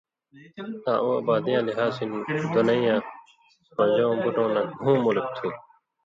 آں اُو آبادیاں لحاظ ہِن دُنئ یاں پن٘ژؤں بُٹؤں نہ گھو مُلک تُھو،